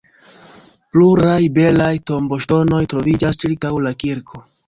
Pluraj belaj tomboŝtonoj troviĝas ĉirkaŭ la kirko.